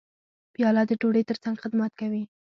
پیاله د ډوډۍ ترڅنګ خدمت کوي.